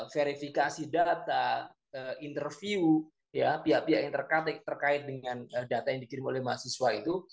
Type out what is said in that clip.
verifikasi data interview pihak pihak yang terkait dengan data yang dikirim oleh mahasiswa itu